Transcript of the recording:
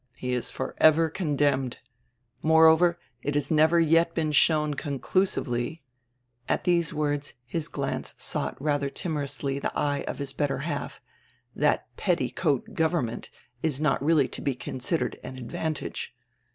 He is forever condemned. Moreover it has never yet been shown conclusively" — at diese words his glance sought radier timorously die eye of his better half — "diat petti coat government is not really to be considered an advantage.